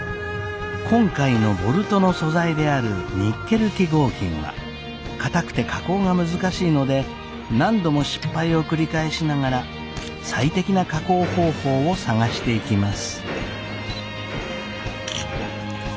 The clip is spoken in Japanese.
今回のボルトの素材であるニッケル基合金は硬くて加工が難しいので何度も失敗を繰り返しながら最適な加工方法を探していきます。